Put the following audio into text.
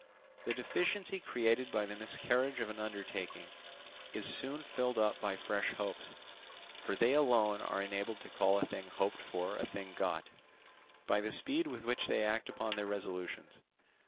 The deficiency created by the miscarriage of an undertaking is soon filled up by fresh hopes; for they alone are enabled to call a thing hoped for a thing got, by the speed with which they act upon their resolutions.